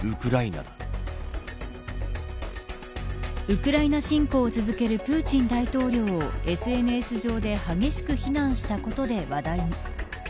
ウクライナ侵攻を続けるプーチン大統領をＳＮＳ上で激しく非難したことで話題に。